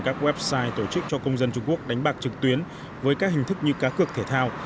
các website tổ chức cho công dân trung quốc đánh bạc trực tuyến với các hình thức như cá cược thể thao